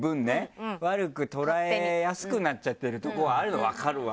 悪く捉えやすくなっちゃってるとこがあるの分かるわ。